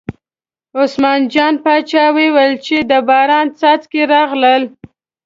عثمان جان باچا وویل چې د باران څاڅکي راغلل.